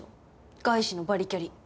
外資のバリキャリ。